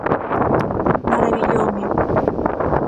Marabilloume.